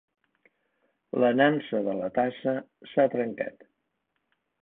La nansa de la tassa s'ha trencat.